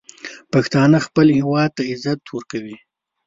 پښتانه خپل هیواد ته عزت ورکوي.